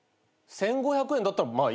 １，５００円だったらまあいい。